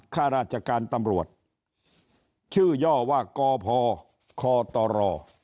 ข้าราชการตำรวจชื่อย่อว่ากพคตร